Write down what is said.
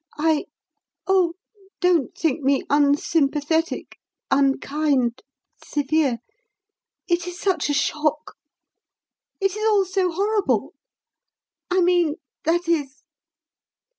I oh, don't think me unsympathetic, unkind, severe. It is such a shock; it is all so horrible I mean that is....